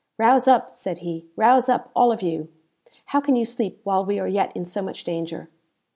"Rouse up!" said he, "rouse up, all of you! How can you sleep while we are yet in so much danger?"